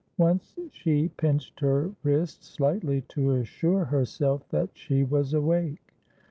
Once she pinched her wrist slightly to assure herself that she was awake.